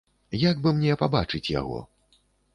Як бы мне пабачыць яго?